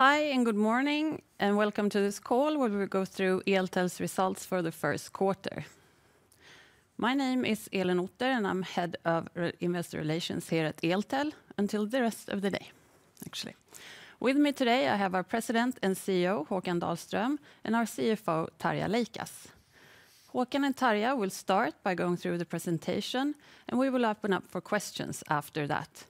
Hi, and good morning, and welcome to this call where we go through Eltel's results for the first quarter. My name is Elin Otter, and I'm Head of Investor Relations here at Eltel until the rest of the day, actually. With me today, I have our President and CEO, Håkan Dahlström, and our CFO, Tarja Leikas. Håkan and Tarja will start by going through the presentation, and we will open up for questions after that.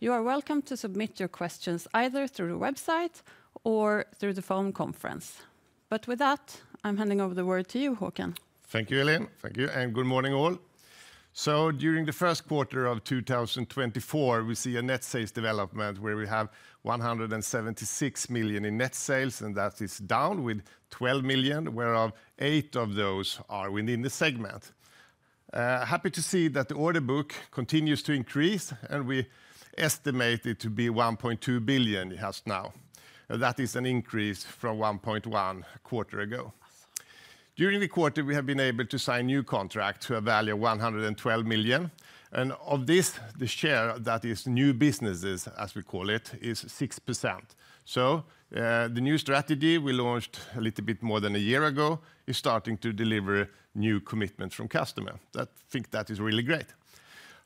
You are welcome to submit your questions either through the website or through the phone conference. But with that, I'm handing over the word to you, Håkan. Thank you, Elin. Thank you, and good morning, all. So during the first quarter of 2024, we see a net sales development where we have 176 million in net sales, and that is down with 12 million, whereof 8 million of those are within the segment. Happy to see that the order book continues to increase, and we estimate it to be 1.2 billion it has now. That is an increase from 1.1 billion a quarter ago. During the quarter, we have been able to sign new contract to a value of 112 million, and of this, the share that is new businesses, as we call it, is 6%. So, the new strategy we launched a little bit more than a year ago is starting to deliver new commitment from customer. That think that is really great.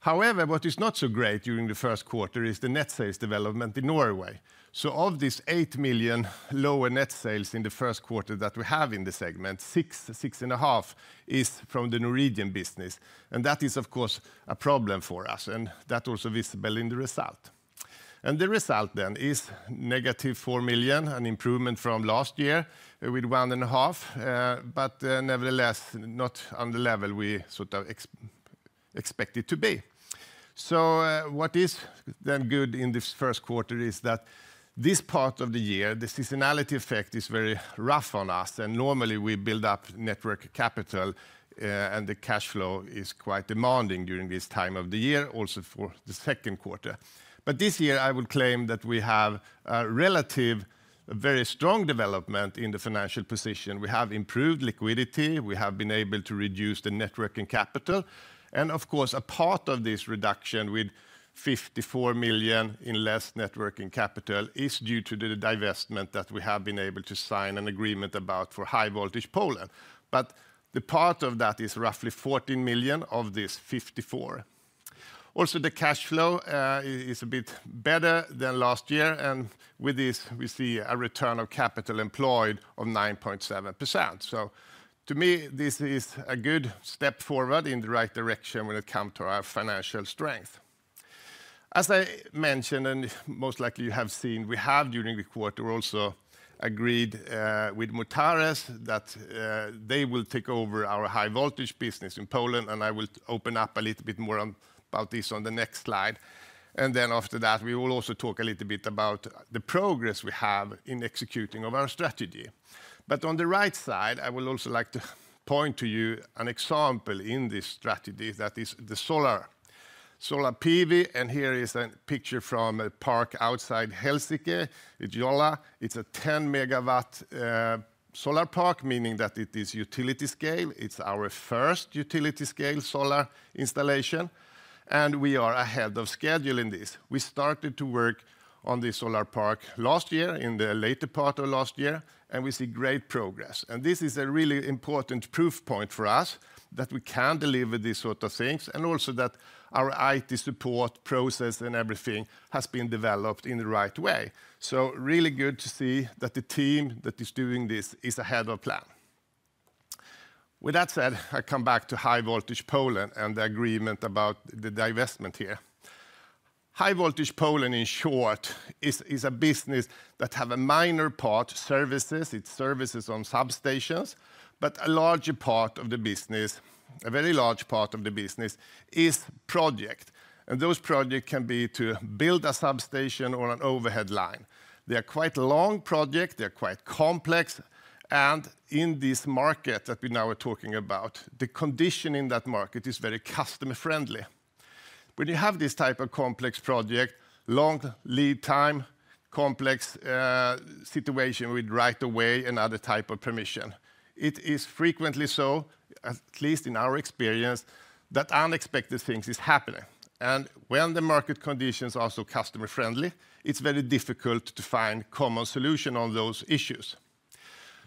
However, what is not so great during the first quarter is the net sales development in Norway. So of this 8 million lower net sales in the first quarter that we have in the segment, 6-6.5 million is from the Norwegian business, and that is, of course, a problem for us, and that also visible in the result. And the result then is -4 million, an improvement from last year with 1.5, but, nevertheless, not on the level we sort of expect it to be. So, what is then good in this first quarter is that this part of the year, the seasonality effect is very rough on us, and normally, we build up net working capital, and the cash flow is quite demanding during this time of the year, also for the second quarter. But this year, I would claim that we have a relative very strong development in the financial position. We have improved liquidity. We have been able to reduce the net working capital, and of course, a part of this reduction with 54 million in less net working capital is due to the divestment that we have been able to sign an agreement about for High Voltage Poland. But the part of that is roughly 14 million of this 54 million. Also, the cash flow is a bit better than last year, and with this, we see a return of capital employed of 9.7%. So to me, this is a good step forward in the right direction when it come to our financial strength. As I mentioned, and most likely you have seen, we have, during the quarter, also agreed with Mutares that they will take over our High-voltage business in Poland, and I will open up a little bit more on, about this on the next slide. And then after that, we will also talk a little bit about the progress we have in executing of our strategy. But on the right side, I would also like to point to you an example in this strategy that is the solar, solar PV, and here is a picture from a park outside Helsinki, Joroinen. It's a 10 megawatt solar park, meaning that it is utility scale. It's our first utility-scale solar installation, and we are ahead of schedule in this. We started to work on the solar park last year, in the later part of last year, and we see great progress. This is a really important proof point for us that we can deliver these sort of things, and also that our IT support process and everything has been developed in the right way. So really good to see that the team that is doing this is ahead of plan. With that said, I come back to High Voltage Poland and the agreement about the divestment here. High Voltage Poland, in short, is a business that have a minor part services, it's services on substations, but a larger part of the business, a very large part of the business, is project. And those project can be to build a substation or an overhead line. They are quite long project, they're quite complex, and in this market that we now are talking about, the condition in that market is very customer friendly. When you have this type of complex project, long lead time, complex, situation with right of way and other type of permission, it is frequently so, at least in our experience, that unexpected things is happening. And when the market conditions are so customer friendly, it's very difficult to find common solution on those issues.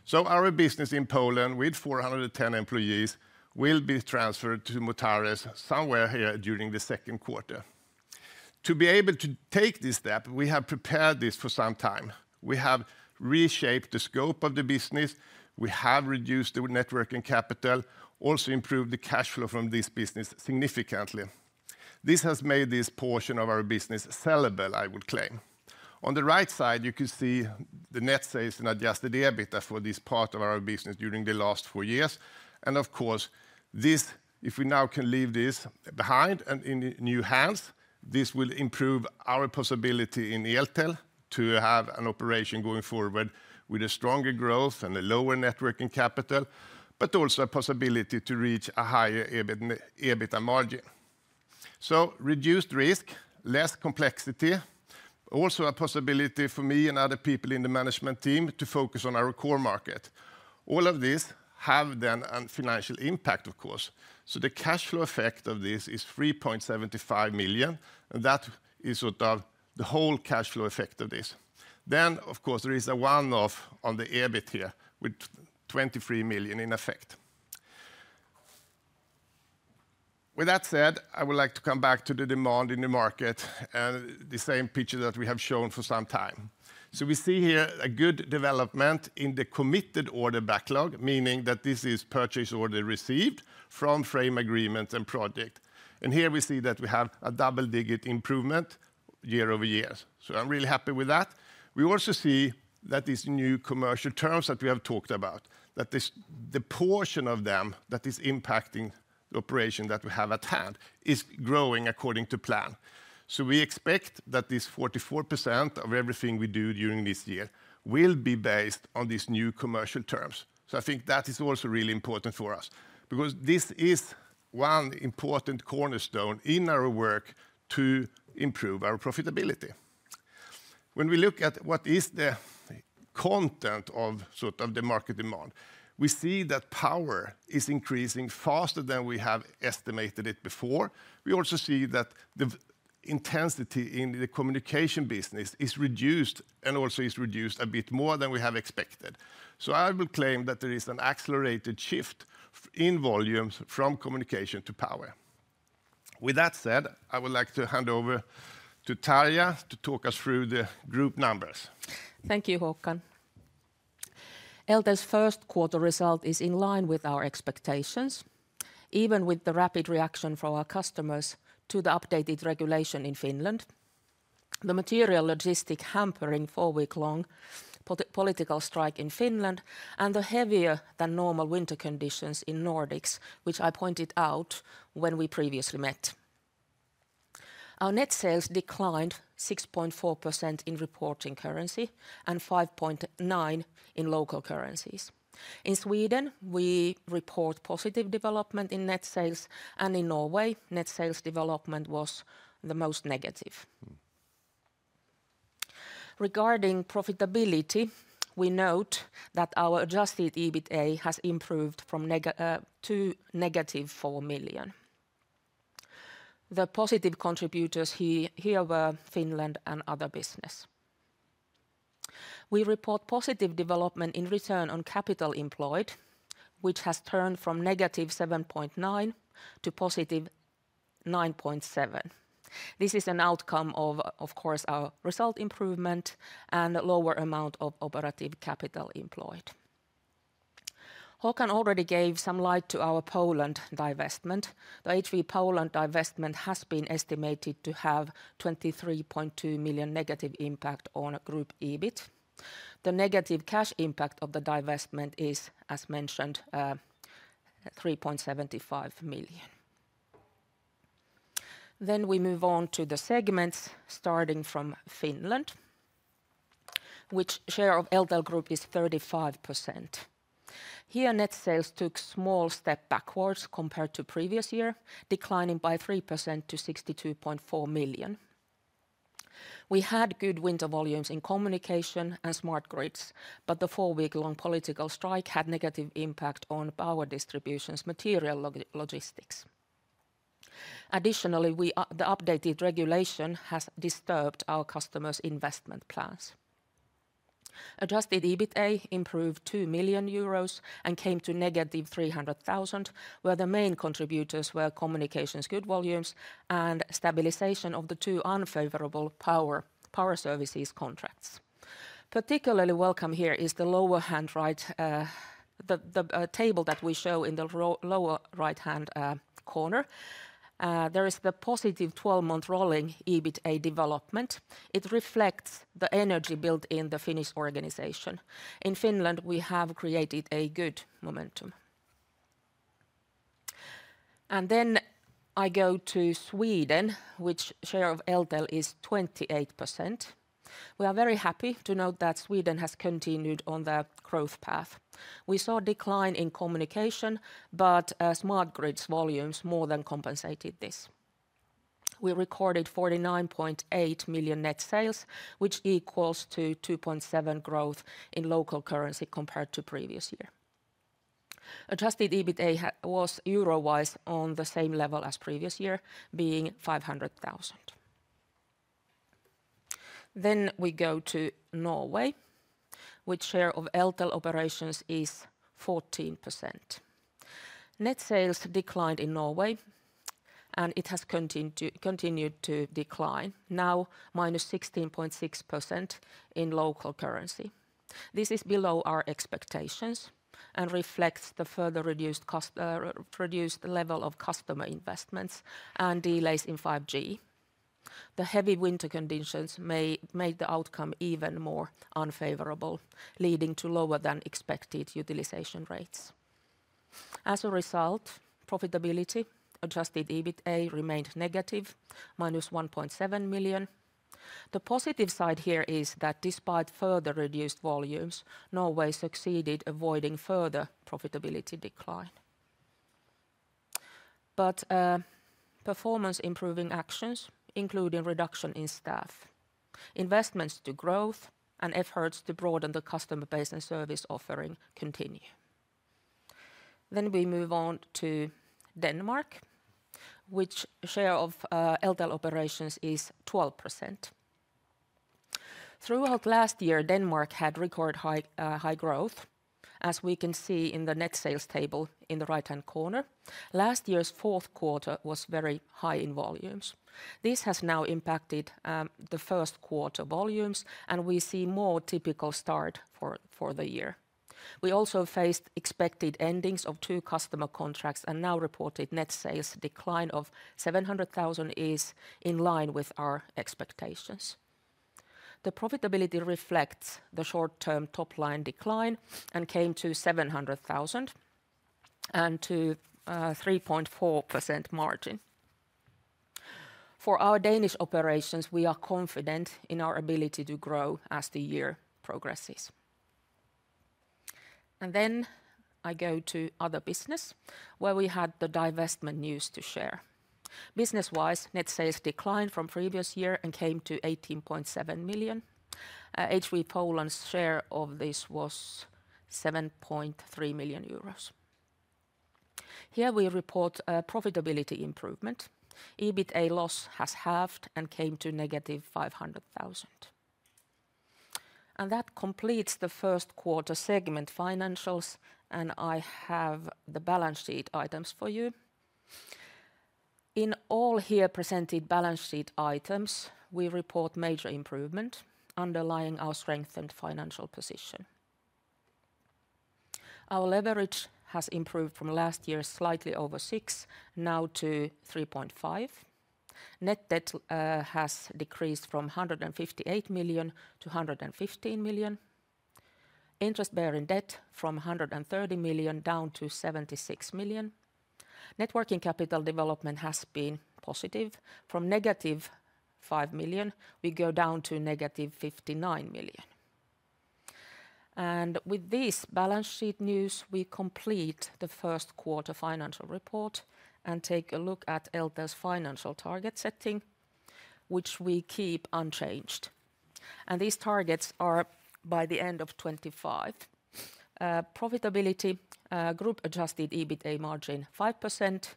So our business in Poland, with 410 employees, will be transferred to Mutares somewhere here during the second quarter. To be able to take this step, we have prepared this for some time. We have reshaped the scope of the business. We have reduced the working capital, also improved the cash flow from this business significantly. This has made this portion of our business sellable, I would claim. On the right side, you can see the net sales and adjusted EBITDA for this part of our business during the last four years. And of course, this, if we now can leave this behind and in new hands, this will improve our possibility in Eltel to have an operation going forward with a stronger growth and a lower net working capital, but also a possibility to reach a higher EBIT, EBITDA margin. So reduced risk, less complexity, also a possibility for me and other people in the management team to focus on our core market. All of this have then a financial impact, of course. So the cash flow effect of this is 3.75 million, and that is sort of the whole cash flow effect of this. Then, of course, there is a one-off on the EBIT here with 23 million in effect. With that said, I would like to come back to the demand in the market, and the same picture that we have shown for some time. So we see here a good development in the committed order backlog, meaning that this is purchase order received from frame agreement and project. And here we see that we have a double-digit improvement year-over-year, so I'm really happy with that. We also see that these new commercial terms that we have talked about, that this, the portion of them that is impacting the operation that we have at hand, is growing according to plan. So we expect that this 44% of everything we do during this year will be based on these new commercial terms. So I think that is also really important for us, because this is one important cornerstone in our work to improve our profitability. When we look at what is the content of, sort of, the market demand, we see that power is increasing faster than we have estimated it before. We also see that the intensity in the communication business is reduced, and also is reduced a bit more than we have expected. So I will claim that there is an accelerated shift in volumes from communication to power. With that said, I would like to hand over to Tarja to talk us through the group numbers. Thank you, Håkan. Eltel's first quarter result is in line with our expectations, even with the rapid reaction from our customers to the updated regulation in Finland, the material logistic hampering four-week-long political strike in Finland, and the heavier than normal winter conditions in Nordics, which I pointed out when we previously met. Our net sales declined 6.4% in reporting currency and 5.9% in local currencies. In Sweden, we report positive development in net sales, and in Norway, net sales development was the most negative. Mm. Regarding profitability, we note that our adjusted EBITA has improved from negative four million. The positive contributors here were Finland and other business. We report positive development in return on capital employed, which has turned from -7.9 to 9.7. This is an outcome of, of course, our result improvement and lower amount of operative capital employed. Håkan already gave some light to our Poland divestment. The HV Poland divestment has been estimated to have 23.2 million negative impact on group EBIT. The negative cash impact of the divestment is, as mentioned, 3.75 million. Then we move on to the segments, starting from Finland, which share of Eltel Group is 35%. Here, net sales took small step backwards compared to previous year, declining by 3% to 62.4 million. We had good winter volumes in communication and smart grids, but the four-week-long political strike had negative impact on power distribution's material logistics. Additionally, the updated regulation has disturbed our customers' investment plans. Adjusted EBITA improved 2 million euros and came to negative 300,000, where the main contributors were communications good volumes and stabilization of the two unfavorable power services contracts. Particularly welcome here is the lower right-hand corner. There is the positive twelve-month rolling EBITA development. It reflects the energy built in the Finnish organization. In Finland, we have created a good momentum. Then I go to Sweden, which share of Eltel is 28%. We are very happy to note that Sweden has continued on the growth path. We saw a decline in communication, but smart grids volumes more than compensated this. We recorded 49.8 million net sales, which equals to 2.7% growth in local currency compared to previous year. Adjusted EBITA was euro-wise on the same level as previous year, being 500,000. Then we go to Norway, which share of Eltel operations is 14%. Net sales declined in Norway, and it has continued to, continued to decline, now -16.6% in local currency. This is below our expectations and reflects the further reduced cost, reduced level of customer investments and delays in 5G. The heavy winter conditions may make the outcome even more unfavorable, leading to lower than expected utilization rates. As a result, profitability, adjusted EBITA, remained negative, -1.7 million. The positive side here is that despite further reduced volumes, Norway succeeded avoiding further profitability decline. But performance-improving actions, including reduction in staff, investments to growth, and efforts to broaden the customer base and service offering continue. Then we move on to Denmark, which share of Eltel operations is 12%. Throughout last year, Denmark had record high growth, as we can see in the net sales table in the right-hand corner. Last year's fourth quarter was very high in volumes. This has now impacted the first quarter volumes, and we see more typical start for the year. We also faced expected endings of two customer contracts, and now reported net sales decline of 700,000 is in line with our expectations. The profitability reflects the short-term top-line decline and came to 700,000, and to 3.4% margin. For our Danish operations, we are confident in our ability to grow as the year progresses. And then I go to other business, where we had the divestment news to share. Business-wise, net sales declined from previous year and came to 18.7 million. HV Poland's share of this was 7.3 million euros. Here we report a profitability improvement. EBITA loss has halved and came to -500,000. And that completes the first quarter segment financials, and I have the balance sheet items for you. In all here presented balance sheet items, we report major improvement, underlying our strengthened financial position. Our leverage has improved from last year, slightly over six, now to 3.5. Net debt has decreased from 158 million to 115 million. Interest bearing debt from 130 million down to 76 million. working capital development has been positive. From negative 5 million, we go down to negative 59 million. With this balance sheet news, we complete the first quarter financial report, and take a look at Eltel's financial target setting, which we keep unchanged. These targets are by the end of 2025. Profitability, group adjusted EBITA margin, 5%.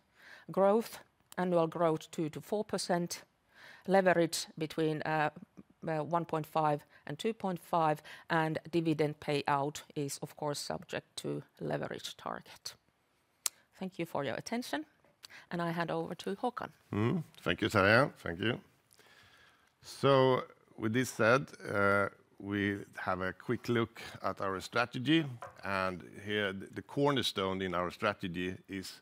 Growth, annual growth, 2%-4%. Leverage between 1.5 and 2.5, and dividend payout is, of course, subject to leverage target. Thank you for your attention, and I hand over to Håkan. Mm-hmm. Thank you, Tarja. Thank you. So with this said, we have a quick look at our strategy, and here, the cornerstone in our strategy is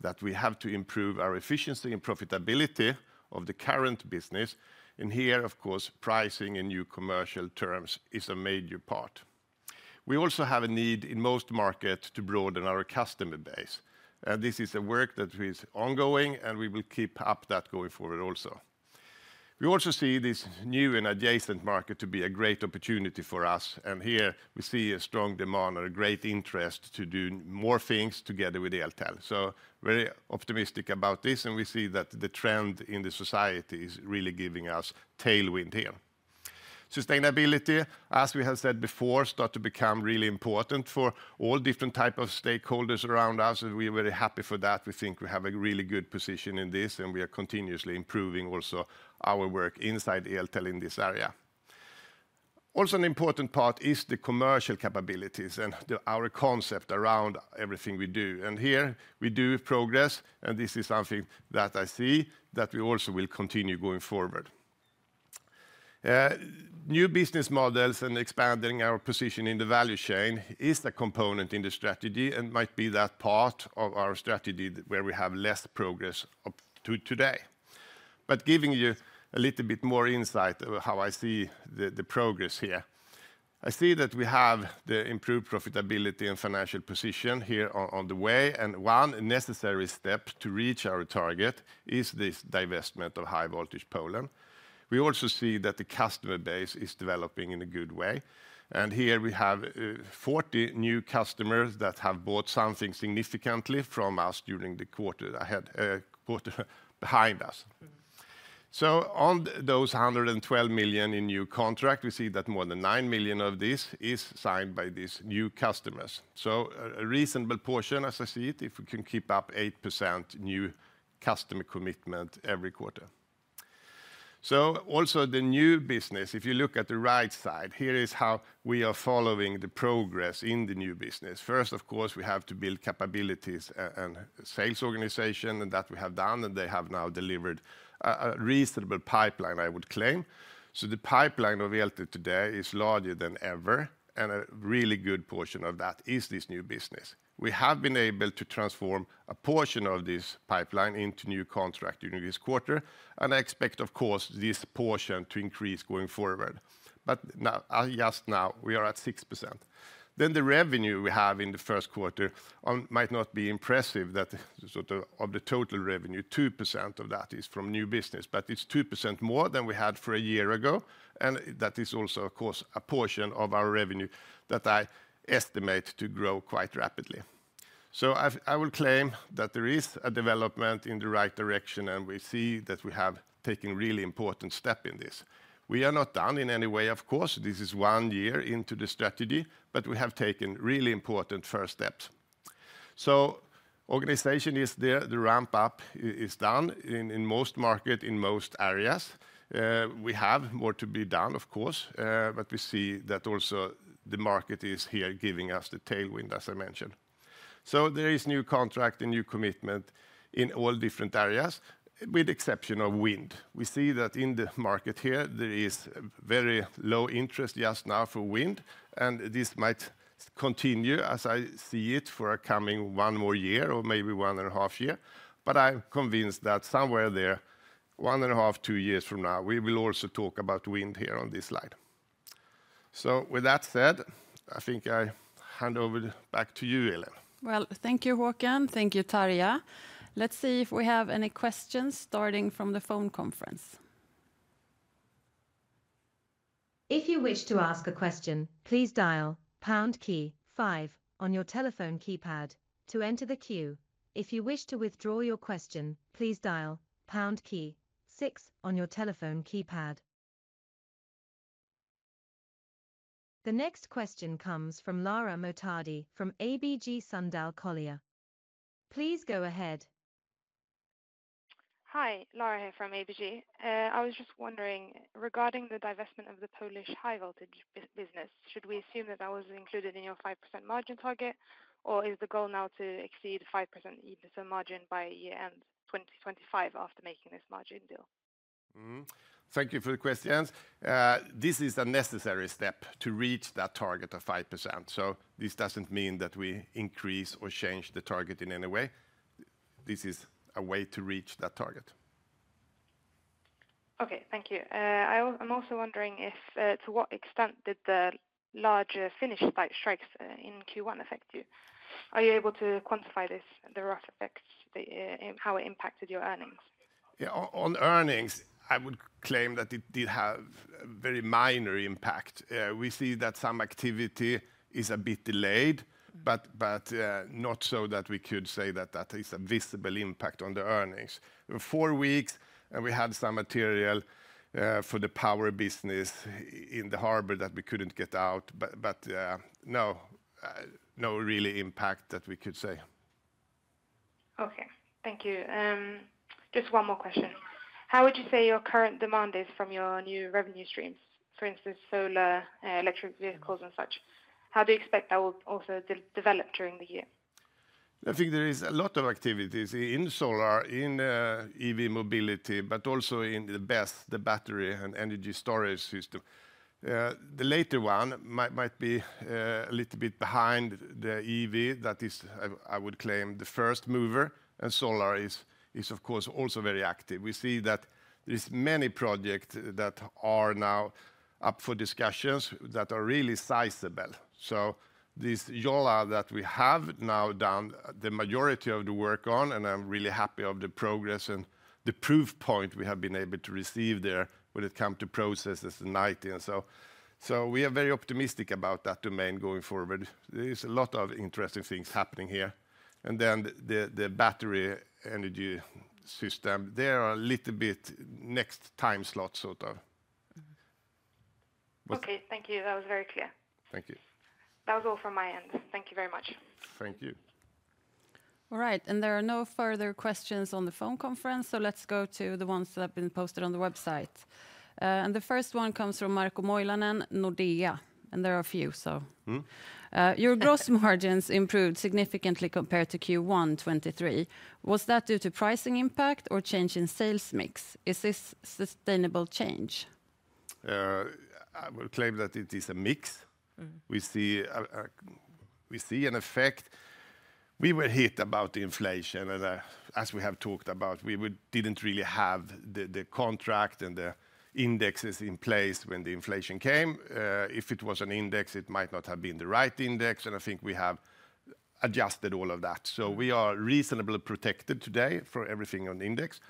that we have to improve our efficiency and profitability of the current business, and here, of course, pricing and new commercial terms is a major part. We also have a need in most markets to broaden our customer base, and this is a work that is ongoing, and we will keep up that going forward also. We also see this new and adjacent market to be a great opportunity for us, and here we see a strong demand and a great interest to do more things together with Eltel. So very optimistic about this, and we see that the trend in the society is really giving us tailwind here. Sustainability, as we have said before, start to become really important for all different type of stakeholders around us, and we are very happy for that. We think we have a really good position in this, and we are continuously improving also our work inside Eltel in this area. Also, an important part is the commercial capabilities and the, our concept around everything we do, and here we do progress, and this is something that I see that we also will continue going forward. New business models and expanding our position in the value chain is a component in the strategy and might be that part of our strategy where we have less progress up to today. But giving you a little bit more insight of how I see the, the progress here. I see that we have the improved profitability and financial position here on, on the way, and one necessary step to reach our target is this divestment of high-voltage Poland. We also see that the customer base is developing in a good way, and here we have 40 new customers that have bought something significantly from us during the quarter ahead, quarter behind us. So on those 112 million in new contract, we see that more than 9 million of this is signed by these new customers. So a reasonable portion, as I see it, if we can keep up 8% new customer commitment every quarter. So also the new business, if you look at the right side, here is how we are following the progress in the new business. First, of course, we have to build capabilities and sales organization, and that we have done, and they have now delivered a reasonable pipeline, I would claim. So the pipeline of Eltel today is larger than ever, and a really good portion of that is this new business. We have been able to transform a portion of this pipeline into new contract during this quarter, and I expect, of course, this portion to increase going forward. But now, just now, we are at 6%. Then the revenue we have in the first quarter might not be impressive, that sort of the total revenue, 2% of that is from new business, but it's 2% more than we had for a year ago, and that is also, of course, a portion of our revenue that I estimate to grow quite rapidly. So I will claim that there is a development in the right direction, and we see that we have taken really important step in this. We are not done in any way, of course. This is one year into the strategy, but we have taken really important first steps. So organization is there, the ramp up is done in most market, in most areas. We have more to be done, of course, but we see that also the market is here giving us the tailwind, as I mentioned. So there is new contract and new commitment in all different areas, with exception of wind. We see that in the market here, there is very low interest just now for wind, and this might continue, as I see it, for a coming one more year or maybe one and a half year. But I'm convinced that somewhere there, one and a half to two years from now, we will also talk about wind here on this slide. So with that said, I think I hand over back to you, Elin. Well, thank you, Håkan. Thank you, Tarja. Let's see if we have any questions starting from the phone conference. If you wish to ask a question, please dial pound key five on your telephone keypad to enter the queue. If you wish to withdraw your question, please dial pound key six on your telephone keypad. The next question comes from Lara Mohtadi from ABG Sundal Collier. Please go ahead. Hi, Lara here from ABG. I was just wondering, regarding the divestment of the Polish high voltage business, should we assume that that was included in your 5% margin target, or is the goal now to exceed 5% EBIT margin by year end 2025 after making this margin deal? Mm-hmm. Thank you for the questions. This is a necessary step to reach that target of 5%, so this doesn't mean that we increase or change the target in any way. This is a way to reach that target. Okay, thank you. I'm also wondering if to what extent did the larger Finnish strikes in Q1 affect you? Are you able to quantify this, the rough effects, how it impacted your earnings? Yeah, on earnings, I would claim that it did have a very minor impact. We see that some activity is a bit delayed, but not so that we could say that that is a visible impact on the earnings. Four weeks, and we had some material for the power business in the harbor that we couldn't get out, but no real impact that we could say. Okay, thank you. Just one more question: How would you say your current demand is from your new revenue streams, for instance, solar, electric vehicles, and such? How do you expect that will also develop during the year? I think there is a lot of activities in solar, in, EV mobility, but also in the BESS, the battery and energy storage system. The latter one might be a little bit behind the EV. That is, I would claim, the first mover, and solar is, of course, also very active. We see that there is many projects that are now up for discussions that are really sizable. So this Joroinen, that we have now done the majority of the work on, and I'm really happy of the progress and the proof point we have been able to receive there when it come to processes and IT and so. So we are very optimistic about that domain going forward. There is a lot of interesting things happening here. Then the battery energy system, they're a little bit next time slot, sort of. Okay, thank you. That was very clear. Thank you. That's all from my end. Thank you very much. Thank you. All right, and there are no further questions on the phone conference, so let's go to the ones that have been posted on the website. The first one comes from Markku Moilanen, Nordea, and there are a few, so- Mm-hmm ... Your gross margins improved significantly compared to Q1 2023. Was that due to pricing impact or change in sales mix? Is this sustainable change? I would claim that it is a mix. Mm-hmm. We see an effect. We were hit about the inflation, and, as we have talked about, we didn't really have the contract and the indexes in place when the inflation came. If it was an index, it might not have been the right index, and I think we have adjusted all of that. So we are reasonably protected today for everything on index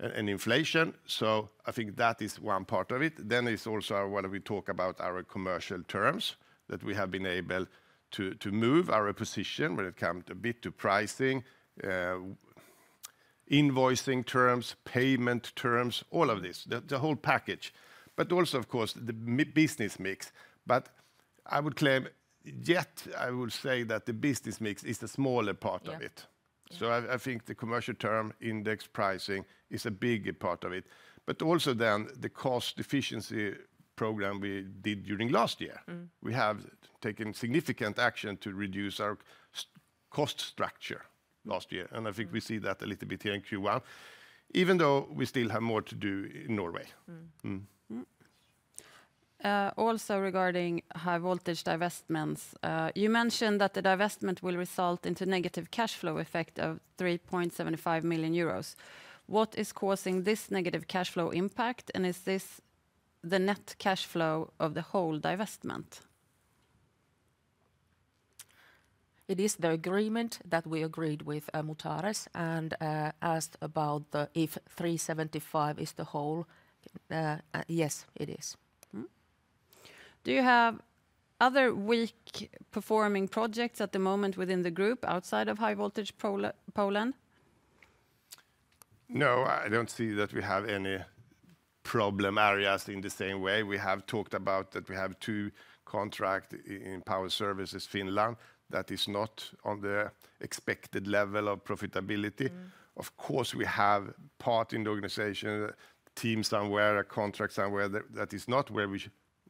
and inflation, so I think that is one part of it. Then there's also when we talk about our commercial terms, that we have been able to move our position when it come a bit to pricing, invoicing terms, payment terms, all of this, the whole package, but also, of course, the business mix. But I would claim, yet, I would say that the business mix is the smaller part of it. Yeah. So I think the commercial term index pricing is a big part of it, but also then the cost efficiency program we did during last year. Mm-hmm. We have taken significant action to reduce our cost structure last year, and I think we see that a little bit here in Q1, even though we still have more to do in Norway. Mm-hmm. Mm-hmm. Mm-hmm. Also regarding high-voltage divestments, you mentioned that the divestment will result into negative cash flow effect of 3.75 million euros. What is causing this negative cash flow impact, and is this the net cash flow of the whole divestment? It is the agreement that we agreed with Mutares, and asked about the if 3.75 million is the whole, yes, it is. Mm-hmm. Do you have other weak-performing projects at the moment within the group, outside of high-voltage Poland?... No, I don't see that we have any problem areas in the same way. We have talked about that we have two contracts in Power Services Finland that is not on the expected level of profitability. Mm. Of course, we have part in the organization, teams somewhere, a contract somewhere, that is not where we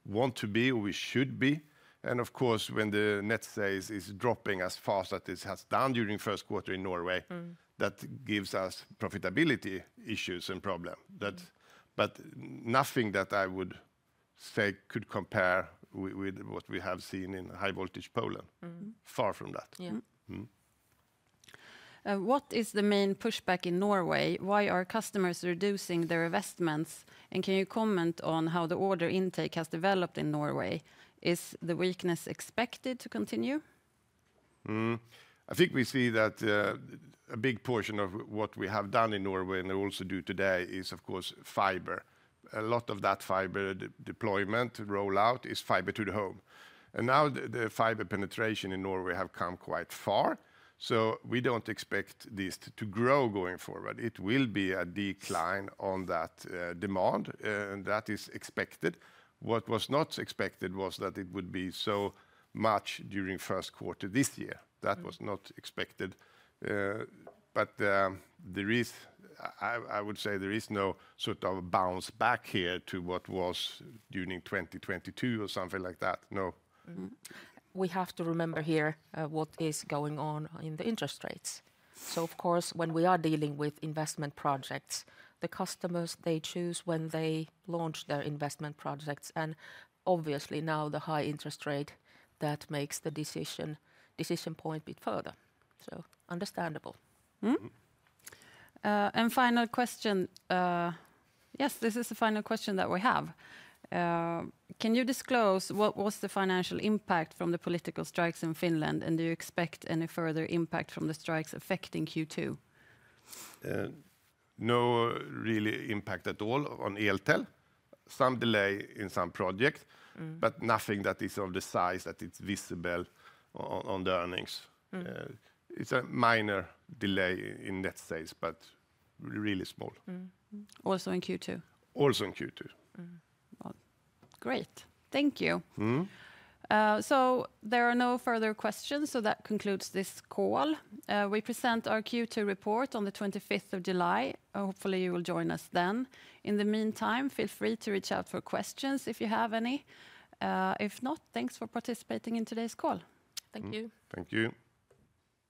want to be or we should be. Of course, when the net sales is dropping as fast as it has done during first quarter in Norway. Mm... that gives us profitability issues and problem. That- Mm. But nothing that I would say could compare with what we have seen in high-voltage Poland. Mm-hmm. Far from that. Yeah. Mm-hmm. What is the main pushback in Norway? Why are customers reducing their investments? Can you comment on how the order intake has developed in Norway? Is the weakness expected to continue? Mm. I think we see that, a big portion of what we have done in Norway and also do today is, of course, fiber. A lot of that fiber deployment rollout is fiber to the home. And now the fiber penetration in Norway have come quite far, so we don't expect this to grow going forward. It will be a decline on that demand, and that is expected. What was not expected was that it would be so much during first quarter this year. Mm. That was not expected. But I would say there is no sort of bounce back here to what was during 2022 or something like that, no. Mm-hmm. We have to remember here what is going on in the interest rates. So of course, when we are dealing with investment projects, the customers, they choose when they launch their investment projects, and obviously now the high interest rate, that makes the decision, decision point a bit further, so understandable. Mm-hmm. Mm. Final question. Yes, this is the final question that we have. Can you disclose what was the financial impact from the political strikes in Finland, and do you expect any further impact from the strikes affecting Q2? No real impact at all on Eltel. Some delay in some projects- Mm... but nothing that is of the size that it's visible on the earnings. Mm. It's a minor delay in net sales, but really small. Mm. Also, in Q2? Also in Q2. Well, great. Thank you. Mm-hmm. There are no further questions, so that concludes this call. We present our Q2 report on the 25th of July, and hopefully you will join us then. In the meantime, feel free to reach out for questions if you have any. If not, thanks for participating in today's call. Thank you. Thank you.